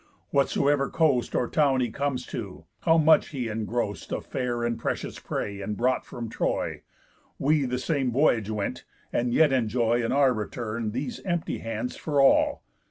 Whatsoever coast Or town he comes to, how much he engrost Of fair and precious prey, and brought from Troy! We the same voyage went, and yet enjoy In our return these empty hands for all.